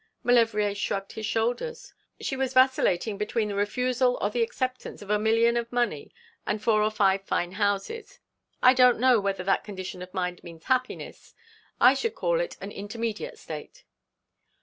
Maulevrier shrugged his shoulders. 'She was vacillating between the refusal or the acceptance of a million of money and four or five fine houses. I don't know whether that condition of mind means happiness. I should call it an intermediate state.'